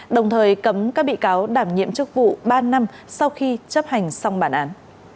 đồng thời cấm các bị cáo đảm nhiệm chức vụ ba năm sau khi chấp hành xong bản án